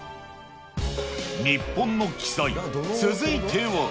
日本の奇祭、続いては。